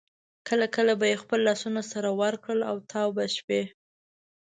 کله کله به یې خپل لاسونه سره ورکړل او تاو به شوې.